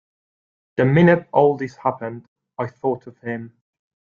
The minute all this happened, I thought of him.